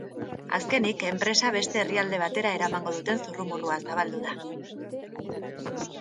Azkenik, enpresa beste herrialde batera eramango duten zurrumurrua zabaldu da.